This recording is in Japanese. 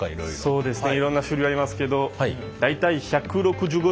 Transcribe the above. そうですね。